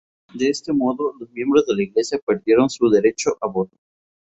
De este modo, los miembros de la Iglesia perdieron su derecho a voto.